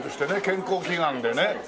健康祈願でね。